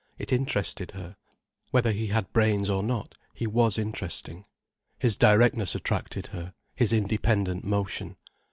It interested her. Whether he had brains or not, he was interesting. His directness attracted her, his independent motion.